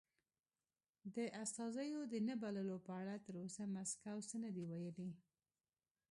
د استازیو د نه بللو په اړه تر اوسه مسکو څه نه دې ویلي.